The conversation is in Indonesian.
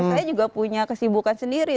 saya juga punya kesibukan sendiri